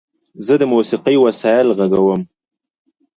زه د موسیقۍ وسایل غږوم.